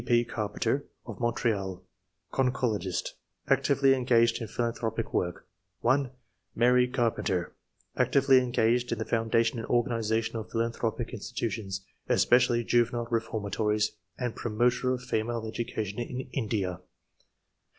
P. Carpenter (of Montreal), conchologist ; actively engaged in phil anthropic work ; (1) Mary Carpenter, actively engaged in the foundation and organization of philanthropic institutions, especially juvenile re formatories, and promoter of female education in India.